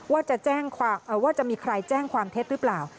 ว่าจะมีใครแจ้งความเท็จหรือเปล่า